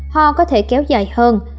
ho có thể kéo dài hơn